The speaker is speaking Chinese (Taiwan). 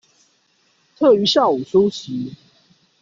特於下午出席